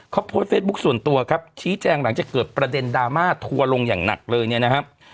เขาโพสต์เฟซบุ๊คส่วนตัวครับชี้แจงหลังจากเกิดประเด็นดราม่าทัวร์ลงอย่างหนักเลยเนี่ยนะครับ